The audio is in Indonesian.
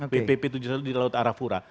bpp tujuh ratus delapan belas di laut arafura